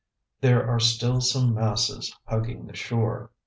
There are still some masses hugging the shore.